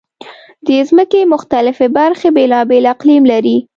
د ځمکې مختلفې برخې بېلابېل اقلیم لري.